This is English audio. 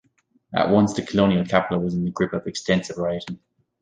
At once, the colonial capital was in the grip of extensive rioting.